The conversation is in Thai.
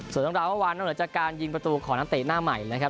ส่วนสังดารณ์เมื่อวานนั้นจะการยิงประตูของนักเตะหน้าใหม่ครับ